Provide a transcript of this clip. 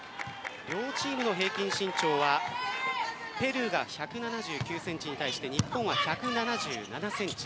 両チームの平均身長はペルーが１７９ｃｍに対して日本は１７７ｃｍ。